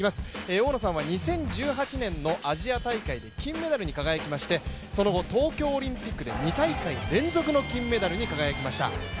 大野さんは２０１８年のアジア大会で金メダルに輝きましてその後、東京オリンピックで２大会連続の金メダルに輝きました。